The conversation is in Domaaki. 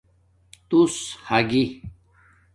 تُݸس ھاگی